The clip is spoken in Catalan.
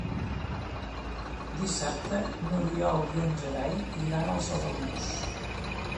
Dissabte n'Oriol i en Gerai iran als Alamús.